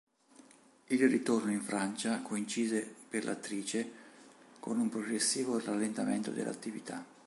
Il ritorno in Francia coincise per l'attrice con un progressivo rallentamento dell'attività.